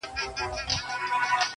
• بابولاله.